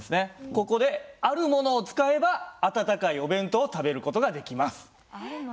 ここであるものを使えば温かいお弁当を食べる事ができます。